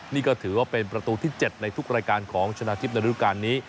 นี่ก็ถือว่าเป็นประตูที่๗ในทุกรายการของชนะทิพย์ในรูปการณ์นี้